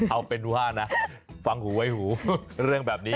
เอาเป็นดู๕นะฟังหูไว้หูเรื่องแบบนี้